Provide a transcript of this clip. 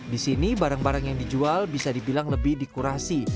di sini barang barang yang dijual bisa dibilang lebih dikurasi